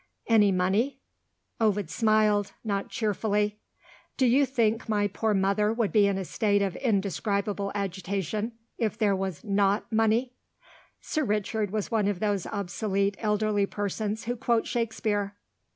"Any money?" Ovid smiled not cheerfully. "Do you think my poor mother would be in a state of indescribable agitation if there was not money?" Sir Richard was one of those obsolete elderly persons who quote Shakespeare.